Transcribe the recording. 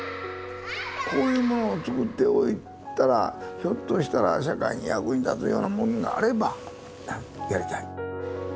こういうものをつくっておいたらひょっとしたら社会に役に立つようなものがあればやりたい。